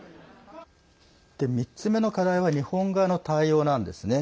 ３つ目の課題は日本側の対応なんですね。